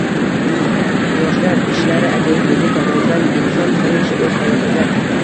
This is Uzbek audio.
Yoshlar ishlari agentligi tomonidan inson hamisha o‘z hayotida